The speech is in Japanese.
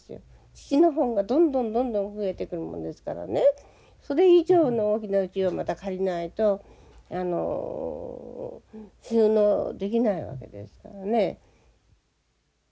父の本がどんどんどんどん増えてくるもんですからねそれ以上の大きなうちをまた借りないと収納できないわけですからね。